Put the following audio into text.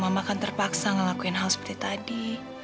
mama kan terpaksa ngelakuin hal seperti tadi